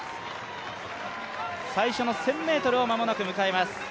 最初の１０００ｍを間もなく迎えます。